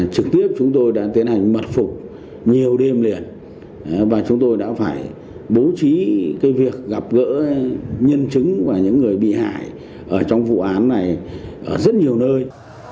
trực tiếp chúng tôi đã tiến hành mật phục nhiều đêm liền và chúng tôi đã phải bố trí cái việc gặp gỡ nhân chứng và những người bị hại ở trong vụ án này ở rất nhiều nơi